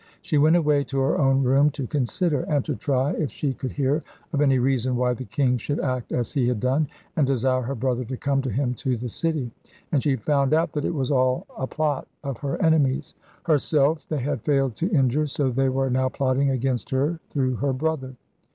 She went away to her own room to consider, and to try if she could hear of any reason why the king should act as he had done, and desire her brother to come to him to the city; and she found out that it was all a plot of her enemies. Herself they had failed to injure, so they were now plotting against her through her brother.